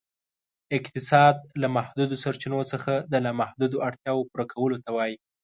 اقتصاد ، له محدودو سرچینو څخه د لا محدودو اړتیاوو پوره کولو ته وایي.